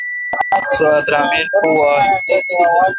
سو اترامین پو آس۔